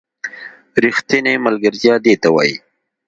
ریښتینې ملگرتیا دې ته وايي